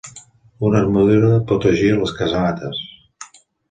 Una armadura protegia les casamates.